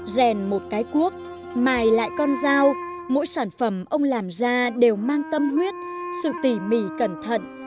rèn một cái cuốc mài lại con dao mỗi sản phẩm ông làm ra đều mang tâm huyết sự tỉ mỉ cẩn thận